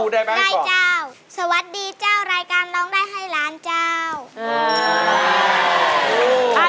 ได้ไหมได้เจ้าสวัสดีเจ้ารายการร้องได้ให้ล้านเจ้า